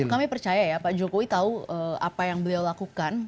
kami percaya ya pak jokowi tahu apa yang beliau lakukan